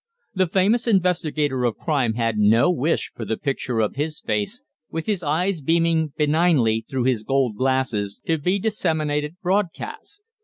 The famous investigator of crime had no wish for the picture of his face, with its eyes beaming benignly through his gold glasses, to be disseminated broadcast.